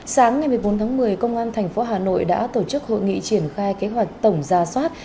sáng ngày một mươi bốn tháng một mươi công an tp hà nội đã tổ chức hội nghị triển khai kế hoạch tổng ra soát